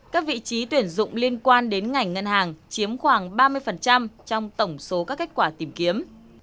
các vị trí tuyển dụng liên quan đến ngành ngân hàng chiếm khoảng ba mươi trong tổng số các kết quả tìm kiếm